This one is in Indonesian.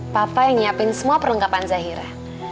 papa yang nyiapin semua perlengkapan zahira